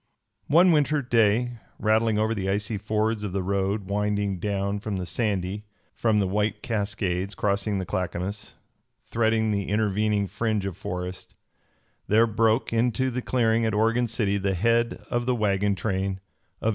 One winter day, rattling over the icy fords of the road winding down the Sandy from the white Cascades, crossing the Clackamas, threading the intervening fringe of forest, there broke into the clearing at Oregon City the head of the wagon train of 1848.